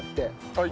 はい。